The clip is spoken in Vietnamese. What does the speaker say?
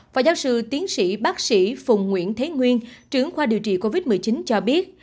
và giáo sư tiến sĩ bác sĩ phùng nguyễn thế nguyên trưởng khoa điều trị covid một mươi chín cho biết